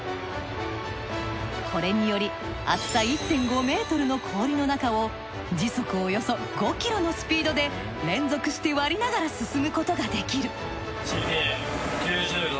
これにより厚さ１．５ｍの氷の中を時速およそ５ｋｍのスピードで連続して割りながら進むことができる。